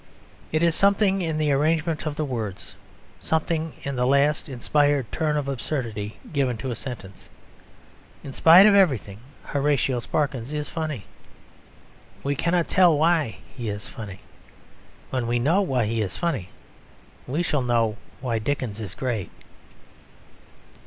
It is something in the arrangement of the words; something in a last inspired turn of absurdity given to a sentence. In spite of everything Horatio Sparkins is funny. We cannot tell why he is funny. When we know why he is funny we shall know why Dickens is great.